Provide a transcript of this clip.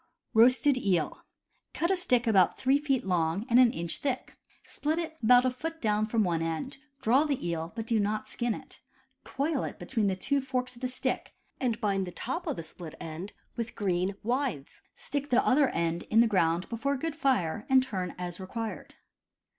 (Kenealy.) Roasted Eel. — Cut a stick about three feet long and CAMP COOKERY 151 an inch thick; spHt it about a foot down from one end; draw the eel, but do not skin it; coil it between the two forks of the stick, and bind the top of split end with green withes; stick the other end in the ground before a good fire, and turn as required.